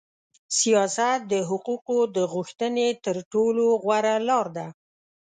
سیاست د حقوقو د غوښتنې تر ټولو غوړه لار ده.